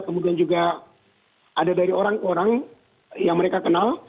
kemudian juga ada dari orang orang yang mereka kenal